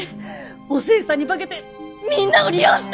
お勢さんに化けてみんなを利用して！